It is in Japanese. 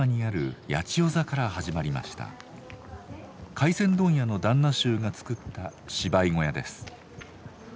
回船問屋の旦那衆が作った芝居小屋です。